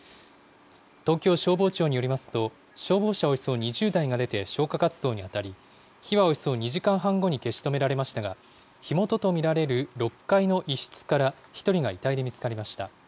東京消防庁によりますと、消防車およそ２０台が出て消火活動に当たり、火はおよそ２時間半後に消し止められましたが、火元と見られる６階の一室から１人が遺体で見つかりました。